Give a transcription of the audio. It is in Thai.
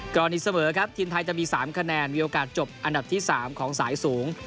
ก่อนอีกเสมอครับทีมไทยจะมี๓คะแนนมีโอกาสจบอันดับที่๓ของสายสูง